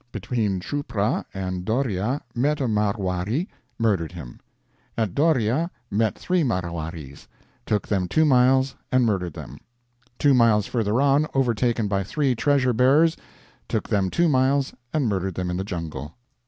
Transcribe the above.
"Between Choupra and Dhoreea met a Marwarie; murdered him. "At Dhoreea met 3 Marwaries; took them two miles and murdered them. "Two miles further on, overtaken by three treasure bearers; took them two miles and murdered them in the jungle.